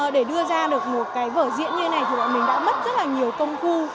để đưa ra được một cái vở diễn như thế này thì bọn mình đã mất rất là nhiều công cụ